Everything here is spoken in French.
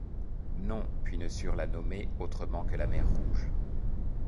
Non puis ne surent la nommer Autrement que la rouge mer.